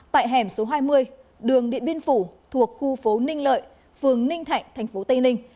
tại hẻm số hai mươi đường địa biên phủ thuộc khu phố ninh lợi phường ninh thạnh tp tây ninh